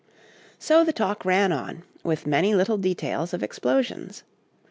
So the talk ran on, with many little details of explosions.